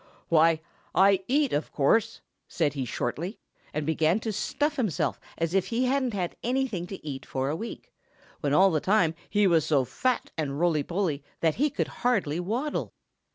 "Why, I eat, of course," said he shortly, and began to stuff himself as if he hadn't had anything to eat for a week, when all the time he was so fat and roly poly that he could hardly waddle.